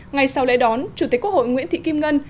ngay sau lễ đón chủ tịch quốc hội nguyễn thị kim ngân